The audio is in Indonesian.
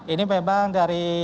ini memang dari